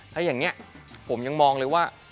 ถ้าอย่างนี้ผมยังมองเลยว่า